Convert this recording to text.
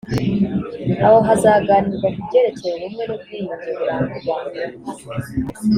aho hazaganirwa ku byerekeye ubumwe n’ubwiyunge buranga u Rwanda ubu